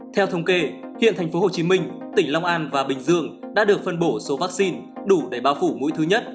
theo thống kê hiện tp hcm tỉnh long an và bình dương đã được phân bổ số vaccine đủ để bao phủ mũi thứ nhất